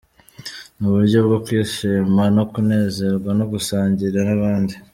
Ni uburyo bwo kwishima no kunezerwa no gusangira n’abandi.